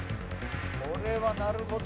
これはなるほど。